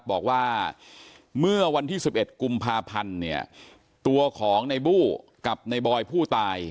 บอกว่าเมื่อวันที่๑๑กุมภาพันธ์เนี่ยตัวของในบู้กับในบอยผู้ตาย